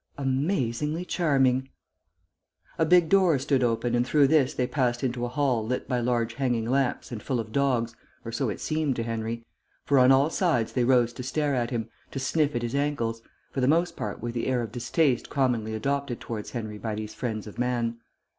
"Amazingly charming." A big door stood open and through this they passed into a hall lit by large hanging lamps and full of dogs, or so it seemed to Henry, for on all sides they rose to stare at him, to sniff at his ankles, for the most part with the air of distaste commonly adopted towards Henry by these friends of man.